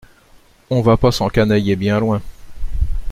On va pas s’encanailler bien loin.